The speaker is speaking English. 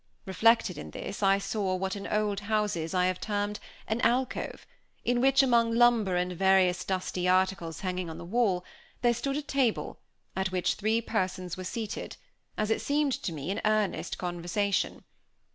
Reflected in this I saw what in old houses I have heard termed an "alcove," in which, among lumber and various dusty articles hanging on the wall, there stood a table, at which three persons were seated, as it seemed to me, in earnest conversation.